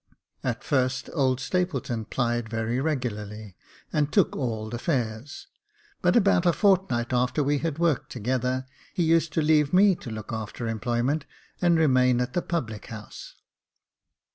At first old Stapleton plied very regularly, and took all the fares ; but about a fortnight after we had worked together, he used to leave me to look after employment, and remain at the public house.